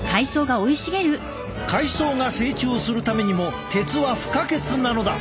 海藻が成長するためにも鉄は不可欠なのだ。